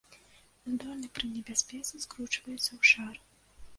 Здольны пры небяспецы скручваецца ў шар.